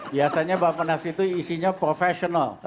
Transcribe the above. biasanya bapenas itu isinya profesional